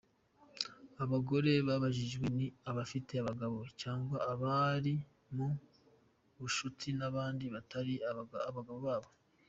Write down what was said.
Abagore babajijwe ni abafite abagabo, cyangwa abari mu bucuti n’abandi batari abagabo babo.